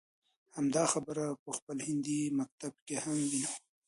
همدا خبره په خپل هندي مکتب کې هم وينو.